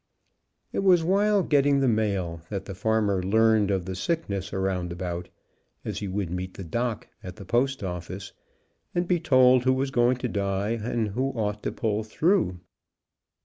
It was while getting the mail that the farmer learned of the sickness around about, as he would meet the "Doc" at the postoffice and be told who was going to die, and who ought to pull through.